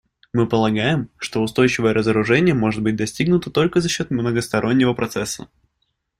Мы полагаем, что устойчивое разоружение может быть достигнуто только за счет многостороннего процесса.